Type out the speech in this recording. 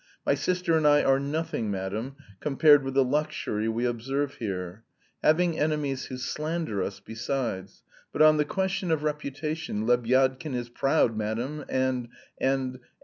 My sister and I are nothing, madam, compared with the luxury we observe here. Having enemies who slander us, besides. But on the question of reputation Lebyadkin is proud, madam... and... and